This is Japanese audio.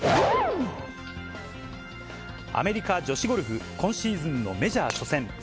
アメリカ女子ゴルフ、今シーズンのメジャー初戦。